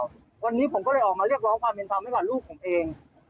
วันนี้ผมก็เลยออกมาเรียกร้องความเป็นธรรมให้กับลูกผมเอง